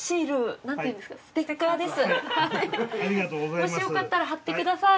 もしよかったら貼ってください。